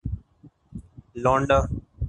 لونڈا